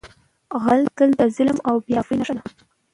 غل تل د ظلم او بې انصافۍ نښه وي